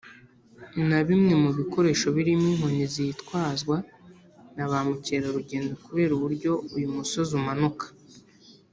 na bimwe mu bikoresho birimo inkoni zitwazwa na ba mukerarugendo kubera uburyo uyu musozi umanuka